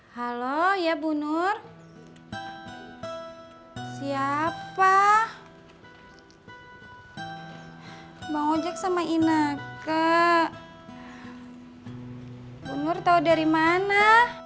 halo ya bu nur siapa bang ojak sama ineka bu nur tau dari mana